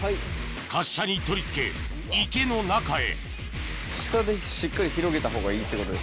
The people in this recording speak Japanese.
滑車に取り付け池の中へ下でしっかり広げたほうがいいってことですよね。